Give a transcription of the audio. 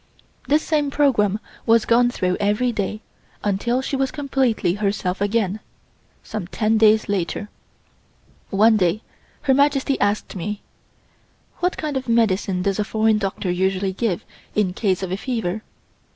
This same program was gone through every day until she was completely herself again some ten days later. One day Her Majesty asked me: "What kind of medicine does a foreign doctor usually give in case of a fever?